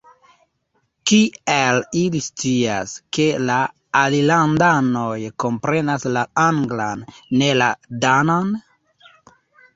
Kiel ili scias, ke la alilandanoj komprenas la anglan, ne la danan?